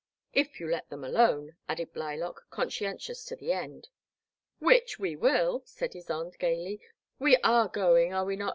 165 " If you let them alone," added Blylock, con scientious to the end. Which we will,'* said Ysonde, gaily, "we are going, are we not, Lynda